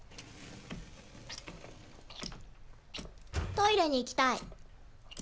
トイレに行きたい。